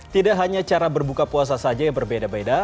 tidak hanya cara berbuka puasa saja yang berbeda beda